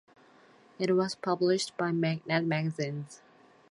It was published by Magnet Magazines.